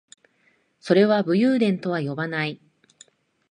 それは武勇伝とは呼ばない